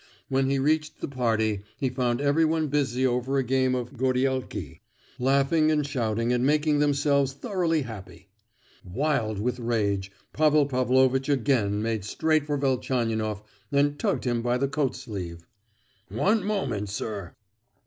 When he reached the party he found everyone busy over a game of Goriélki, laughing and shouting and making themselves thoroughly happy. Wild with rage, Pavel Pavlovitch again made straight for Velchaninoff, and tugged him by the coat sleeve. "One moment, sir!"